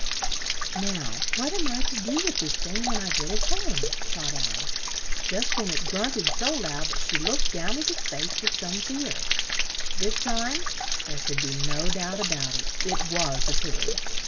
"Now, what am I to do with this thing when I get it home?" thought Al ice. Just then it grunt ed so loud that she looked down at its face with some fear. This time there could be no doubt a bout it it was a pig!